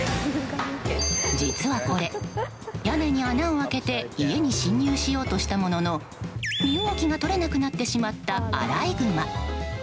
実はこれ、屋根に穴を開けて家に侵入しようとしたものの身動きが取れなくなってしまったアライグマ。